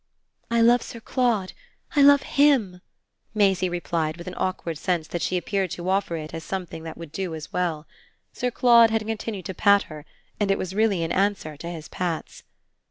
"I love Sir Claude I love HIM," Maisie replied with an awkward sense that she appeared to offer it as something that would do as well. Sir Claude had continued to pat her, and it was really an answer to his pats.